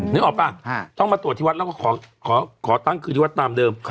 นึกออกป่ะต้องมาตรวจที่วัดแล้วก็ขอตั้งคืนที่วัดตามเดิม